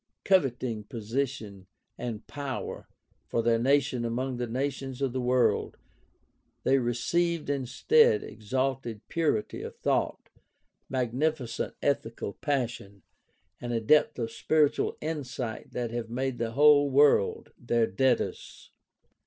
Coveting position and power for their nation among the OLD TESTAMENT AND RELIGION OF ISRAEL i6i nations of the world, they received instead exalted purity of thought, magnificent ethical passion, and a depth of spiritual insight that have made the whole world their debtors.